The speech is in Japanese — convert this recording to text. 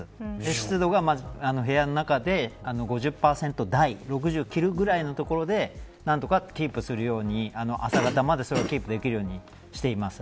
湿度は部屋の中で５０％台６０切るぐらいのところで何とかキープするように朝方までそれをキープできるようにしています。